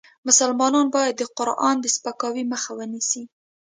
مسلمان باید د قرآن د سپکاوي مخه ونیسي .